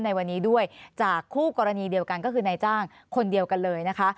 ในวันนี้ด้วยจากคู่กรณีเดียวกันก็คือนายจ้างคนเดียวกันเลยนะคะ